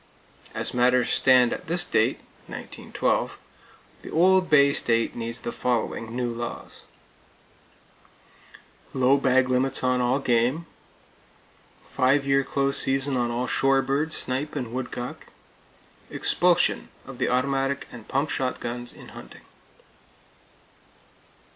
As matters stand at this date (1912) the Old Bay State needs the following new laws: Low bag limits on all game. Five year close seasons on all shore birds, snipe and woodcock. Expulsion of the automatic and pump shotguns, in hunting.